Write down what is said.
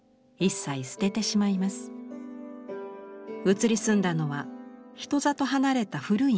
移り住んだのは人里離れた古い民家。